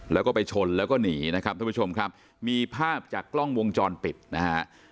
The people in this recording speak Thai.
แล้วก็ไปชนแล้วก็หนีนะครับทุกผู้ชมครับมีภาพจากกล้องวงจรปิดนะฮะ